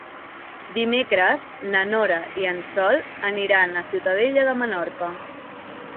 Dimecres na Nora i en Sol aniran a Ciutadella de Menorca.